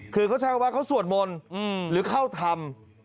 คือเขาใช้คำว่าเขาสวดมนต์หรือเข้าธรรม